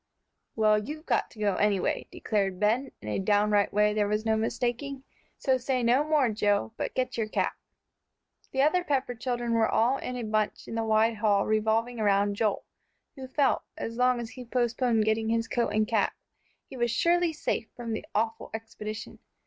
"Well, you've got to go anyway," declared Ben, in a downright way there was no mistaking. "So say no more, Joe, but get your cap." The other Pepper children were all in a bunch in the wide hall revolving around Joel, who felt, as long as he postponed getting his coat and cap, he was surely safe from making the awful expedition.